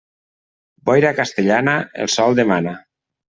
Boira castellana, el sol demana.